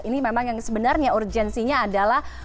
ini memang yang sebenarnya urgensinya adalah